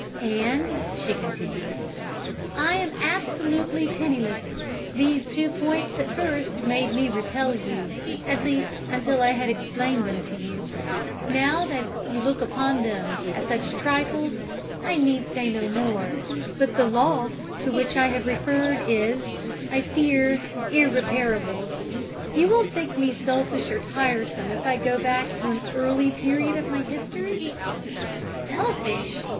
"And," she continued, "I am absolutely penniless. These two points at first made me repel you at least, until I had explained them to you. Now that you look upon them as such trifles I need say no more. But the loss to which I have referred is, I fear, irreparable. You won't think me selfish or tiresome if I go back to an early period of my history?" "Selfish!